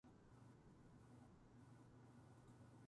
私の強みは、目標達成に向けた課題解決能力です。